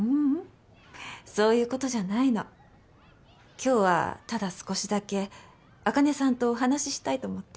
今日はただ少しだけ茜さんとお話ししたいと思って。